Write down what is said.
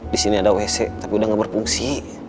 disini ada wc tapi udah gak berfungsi